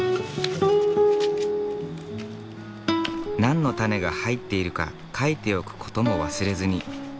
何の種が入っているか書いておくことも忘れずに。